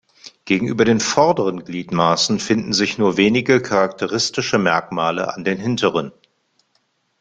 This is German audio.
Gegenüber den vorderen Gliedmaßen finden sich nur wenige charakteristische Merkmale an den hinteren.